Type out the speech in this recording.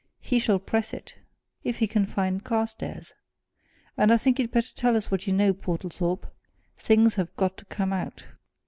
He shall press it! if he can find Carstairs. And I think you'd better tell us what you know, Portlethorpe. Things have got to come out."